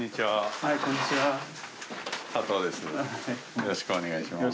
よろしくお願いします。